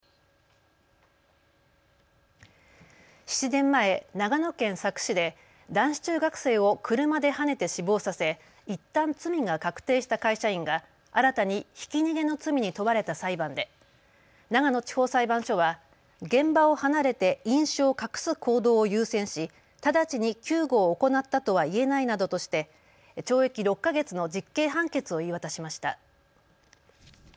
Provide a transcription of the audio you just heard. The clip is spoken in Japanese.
７年前、長野県佐久市で男子中学生を車ではねて死亡させいったん罪が確定した会社員が新たにひき逃げの罪に問われた裁判で長野地方裁判所は現場を離れて飲酒を隠す行動を優先し直ちに救護を行ったとはいえないなどとして懲役６か月の実刑判決を言い渡しました。